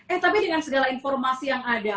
eh tapi dengan segala informasi yang ada